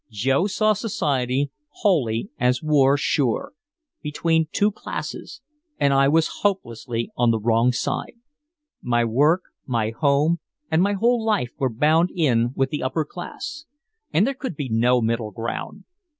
Joe saw society wholly as "War Sure" between two classes, and I was hopelessly on the wrong side. My work, my home and my whole life were bound in with the upper class. And there could be no middle ground.